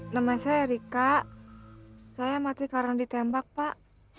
nama saya erika saya masih karena ditembak pak